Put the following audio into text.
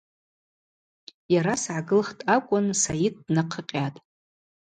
Йара сгӏагылхтӏ акӏвын Сайыт днахъыкъьатӏ.